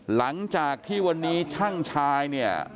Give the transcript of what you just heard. หลังจากที่วันนี้ช่างชาย